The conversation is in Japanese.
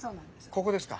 ここですか？